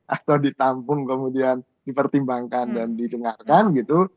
atau ditampung kemudian dipertimbangkan dan didengarkan gitu